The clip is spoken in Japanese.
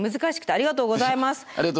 ありがとうございます。